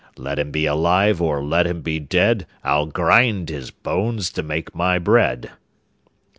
Let him be alive or let him be dead, I'll grind his bones to make my bread.